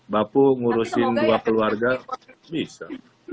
bapu ngurusin dua keluarga bisa